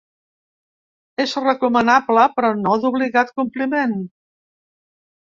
És recomanable, però no d’obligat compliment.